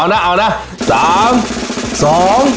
เอาน่ะเอาน่ะเอาน่ะ